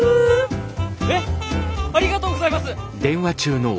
えっありがとうございます！